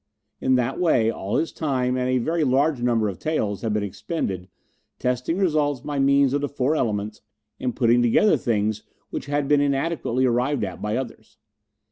In that way all his time and a very large number of taels had been expended, testing results by means of the four elements, and putting together things which had been inadequately arrived at by others.